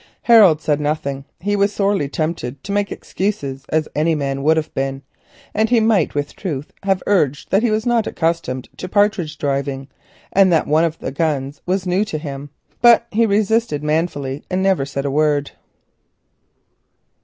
Harold said nothing. He was sorely tempted to make excuses, as any man would have been, and he might with truth have urged that he was not accustomed to partridge driving, and that one of the guns was new to him. But he resisted manfully and said never a word.